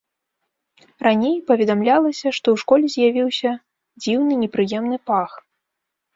Раней паведамлялася, што ў школе з'явіўся дзіўны непрыемны пах.